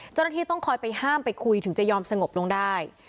เจ้าหน้าที่ต้องคอยไปห้ามไปคุยถึงจะยอมสงบลงได้